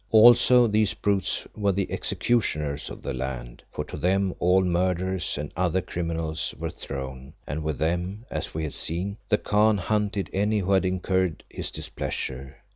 Also these brutes were the executioners of the land, for to them all murderers and other criminals were thrown, and with them, as we had seen, the Khan hunted any who had incurred his displeasure.